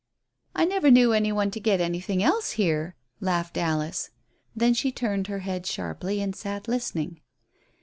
"I never knew any one to get anything else here," laughed Alice. Then she turned her head sharply and sat listening.